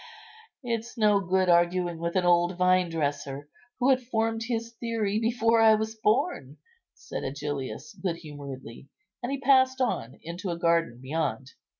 "It's no good arguing with an old vinedresser, who had formed his theory before I was born," said Agellius good humouredly; and he passed on into a garden beyond.